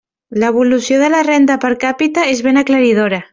L'evolució de la renda per càpita és ben aclaridora.